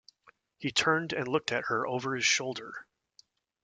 He turned and looked at her over his shoulder.